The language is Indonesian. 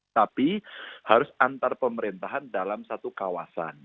tapi harus antar pemerintahan dalam satu kawasan